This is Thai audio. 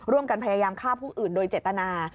ร่วมกันพยายามฆ่าผู้อื่นโดยเจตนา